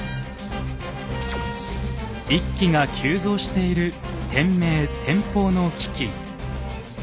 一揆が急増している天明・天保の飢饉。